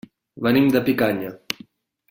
Venim de Picanya.